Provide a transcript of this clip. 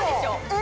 え！